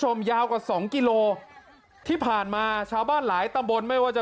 ยาวกว่าสองกิโลที่ผ่านมาชาวบ้านหลายตำบลไม่ว่าจะ